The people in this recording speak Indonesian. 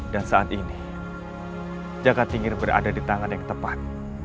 dan saat ini jaga tinggi berada di tangan yang tepat